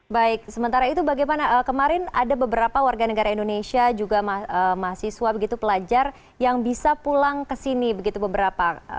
baik sementara itu bagaimana kemarin ada beberapa warga negara indonesia juga mahasiswa begitu pelajar yang bisa pulang ke sini begitu beberapa